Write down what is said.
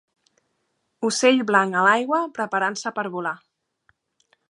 Ocell blanc a l'aigua preparant-se per volar.